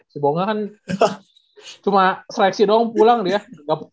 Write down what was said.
si bonga kan cuma seleksi doang pulang dia gak petah